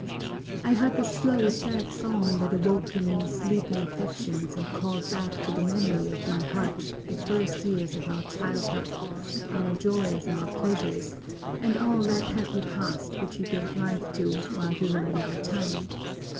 I heard the slow, sad song that awoke in me sleeping affections and called back to the memory of my heart the first years of our childhood, our joys, our pleasures, and all that happy past which you gave life to while you were in our town.